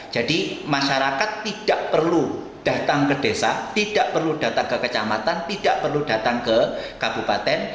jadi masyarakat tidak perlu datang ke desa tidak perlu datang ke kecamatan tidak perlu datang ke kabupaten